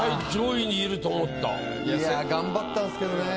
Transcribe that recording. いや頑張ったんすけどね。